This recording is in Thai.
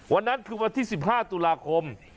วันนั้นคือวันที่๑๕ตุลาคม